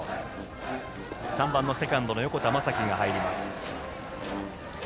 ３番のセカンド横田優生が入ります。